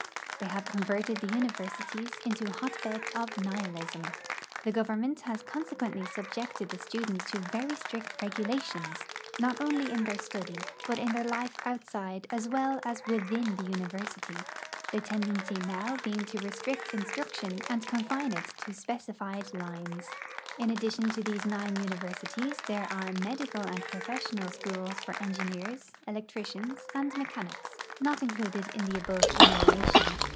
They have converted the universities into hot beds of nihilism. The government has consequently subjected the students to very strict regulations, not only in their study but in their life outside as well as within the university, the tendency now being to restrict instruction and confine it to specified lines. In addition to these nine universities, there are medical and professional schools for engineers, electricians, and mechanics, not included in the above enumeration.